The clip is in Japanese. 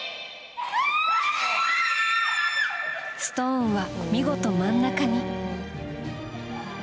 ストーンは見事、真ん中に。